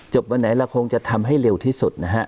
วันไหนเราคงจะทำให้เร็วที่สุดนะฮะ